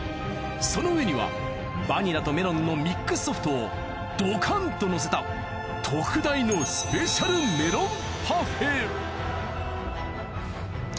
その上にはバニラとメロンのミックスソフトをどかんと乗せた特大のスペシャルメロンパフェ。